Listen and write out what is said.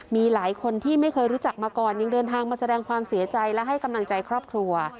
มีหลายคนที่ไม่เคยรู้จักมาก่อนยังเดินทางมาแสดงความเสียใจและให้กำลังใจครอบครัว